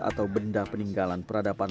atau benda peninggalan peradaban